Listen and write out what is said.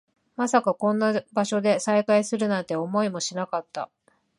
まさかこんな場所で再会するなんて、思いもしなかった